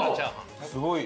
すごい。